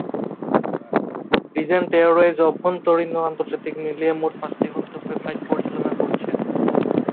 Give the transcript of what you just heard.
Regent Airways অভ্যন্তরীণ ও আন্তর্জাতিক মিলিয়ে মোট পাঁচটি গন্তব্যে ফ্লাইট পরিচালনা করছে।